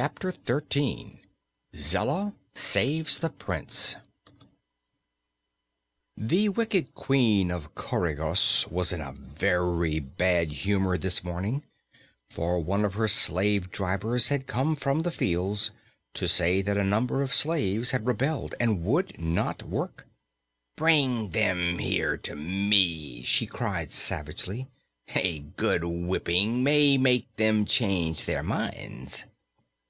Chapter Thirteen Zella Saves the Prince The wicked Queen of Coregos was in a very bad humor this morning, for one of her slave drivers had come from the fields to say that a number of slaves had rebelled and would not work. "Bring them here to me!" she cried savagely. "A good whipping may make them change their minds."